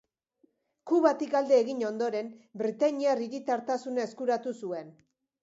Kubatik alde egin ondoren britainiar hiritartasuna eskuratu zuen.